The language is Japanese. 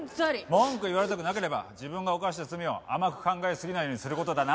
文句を言われたくなければ自分が犯した罪を甘く考えすぎないようにする事だな。